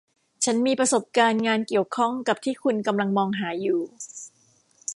ฉันมีประสบการณ์งานเกี่ยวข้องกับที่คุณกำลังมองหาอยู่